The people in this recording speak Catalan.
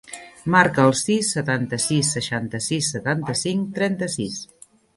Marca el sis, setanta-sis, seixanta-sis, setanta-cinc, trenta-sis.